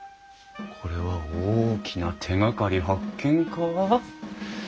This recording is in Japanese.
これは大きな手がかり発見か？